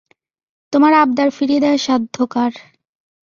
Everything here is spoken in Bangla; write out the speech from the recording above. তোমার আবদার ফিরিয়ে দেওয়ার সাধ্য কার?